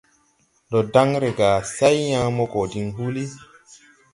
Ndo dan re gà, say yãã mo go diŋ huulí.